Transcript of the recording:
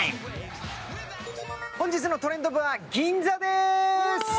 本日の「トレンド部」は銀座です！